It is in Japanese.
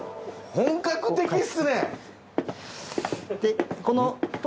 本格的っすね！